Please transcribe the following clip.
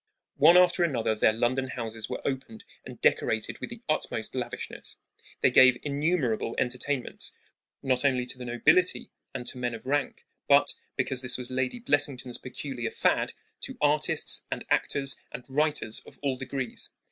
One after another their London houses were opened and decorated with the utmost lavishness. They gave innumerable entertainments, not only to the nobility and to men of rank, but because this was Lady Blessington's peculiar fad to artists and actors and writers of all degrees.